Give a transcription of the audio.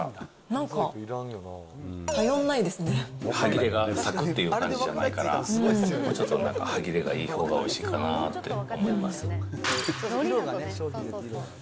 なんか、歯切れが、さくっという感じじゃないから、ちょっとなんか、歯切れがいいほうがおいしいかなって思います。